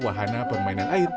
prestasi permainan air